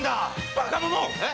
バカ者っ！